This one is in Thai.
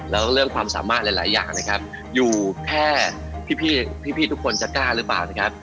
แล้วก็เรื่องความสามารถหลายอย่างนะครับอยู่แค่พี่ทุกคนจะกล้าหรือเปล่านะครับ